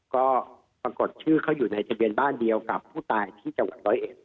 ก็ักษ์ค่อยอยู่ในจะแบนบ้านเดียวกับผู้ตายที่จังหวัดตรงเย็ด